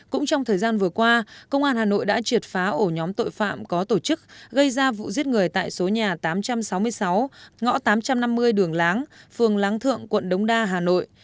cũng trong thời gian vừa qua công an hà nội đã triệt phá ổ nhóm tội phạm có tổ chức gây ra vụ giết người tại số nhà tám trăm sáu mươi sáu ngõ tám trăm năm mươi đường láng phường láng thượng quận đống đa hà nội